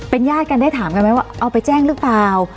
ญาติกันได้ถามกันไหมว่าเอาไปแจ้งหรือเปล่า